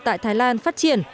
tại thái lan phát triển